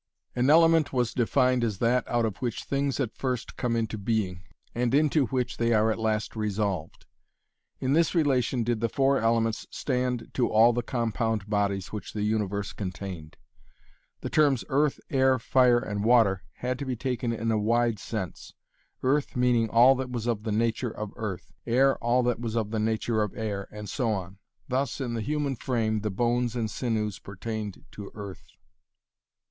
An element was defined as that out of which things at first come into being and into which they are at last resolved. In this relation did the four elements stand to all the compound bodies which the universe contained. The terms earth, air, fire and water had to be taken in a wide sense: earth meaning all that was of the nature of earth, air all that was of the nature of air and so on. Thus, in the human frame, the bones and sinews pertained to earth.